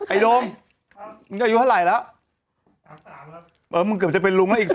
ไอ้นุ่มมึงอายุเท่าไหร่แล้ว๓๓แล้วมึงเกือบจะเป็นลุงแล้วอีก๓ปี